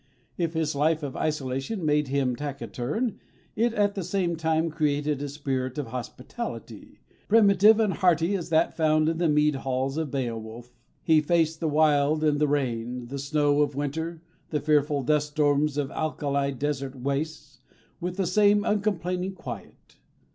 If his life of isolation made him taciturn, it at the same time created a spirit of hospitality, primitive and hearty as that found in the mead halls of Beowulf. He faced the wind and the rain, the snow of winter, the fearful dust storms of alkali desert wastes, with the same uncomplaining quiet.